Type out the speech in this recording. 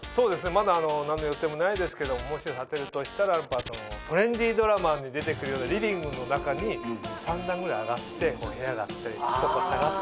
まだ何の予定もないですけどもし建てるとしたらトレンディードラマに出てくるようなリビングの中に３段ぐらい上がって部屋があってちょっと下がって。